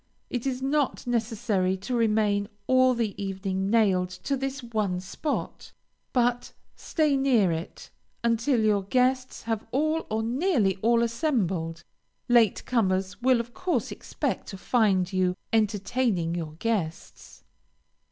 It is not necessary to remain all the evening nailed to this one spot, but stay near it until your guests have all or nearly all assembled. Late comers will of course expect to find you entertaining your guests.